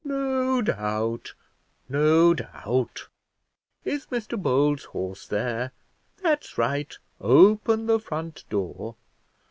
"No doubt, no doubt. Is Mr Bold's horse there? That's right; open the front door.